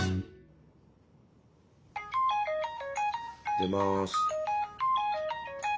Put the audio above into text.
出ます。